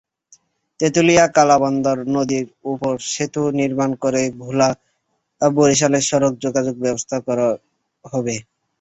তেঁতুলিয়া-কালাবদর নদীর ওপর সেতু নির্মাণ করে ভোলা-বরিশালের সড়ক যোগাযোগ স্থাপন করা হবে।